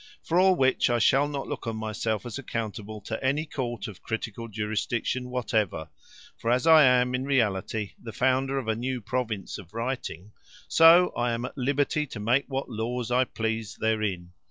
For all which I shall not look on myself as accountable to any court of critical jurisdiction whatever: for as I am, in reality, the founder of a new province of writing, so I am at liberty to make what laws I please therein.